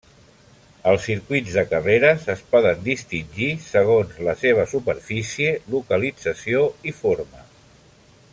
Els circuits de carreres es poden distingir segons la seva superfície, localització i forma.